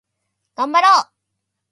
がんばろう